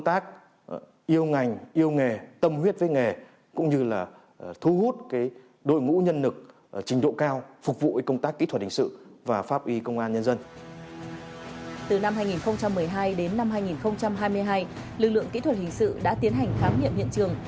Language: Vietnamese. từ năm hai nghìn một mươi hai đến năm hai nghìn hai mươi hai lực lượng kỹ thuật hình sự đã tiến hành khám nghiệm hiện trường